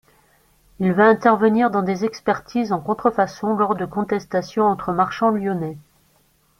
Il va intervenir dans des expertises en contrefaçon lors de contestations entre marchands lyonnais.